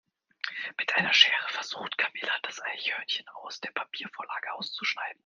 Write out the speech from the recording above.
Mit einer Schere versucht Camilla das Eichhörnchen aus der Papiervorlage auszuschneiden.